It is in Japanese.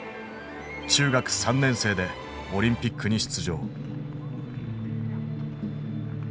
中学３年生でオリンピックに出場。